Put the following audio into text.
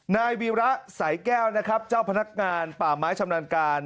นายวีระสายแก้วนะครับเจ้าพนักงานป่าไม้ชำนาญการ